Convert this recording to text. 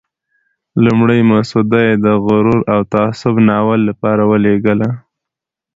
لومړنی مسوده یې د "غرور او تعصب" ناول لپاره ولېږله.